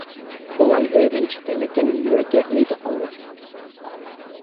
بوۋاي ئۆيىدىن چىقتى لېكىن يۈرىكى ئۆيدە قالدى.